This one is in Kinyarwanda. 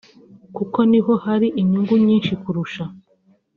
kuko ni ho hari inyungu nyinshi kurusha